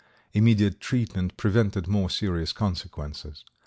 Immediate treatment prevented more serious consequences.